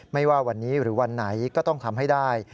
ไม่ว่าวันนี้หรือวันไหนก็ต้องทำให้ได้